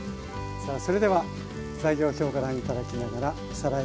さあそれでは材料表ご覧頂きながらおさらいしましょう。